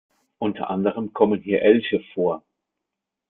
Unter anderem kommen hier Elche vor.